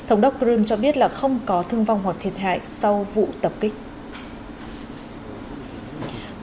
thống đốc crimea cho biết là không có thương vong hoặc thiệt hại sau vụ tập kích